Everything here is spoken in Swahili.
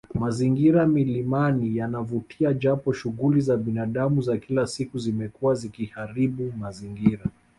Mazingira milimani yanavutia japo shughuli za binadamu za kila siku zimekuwa zikiharibu mazingira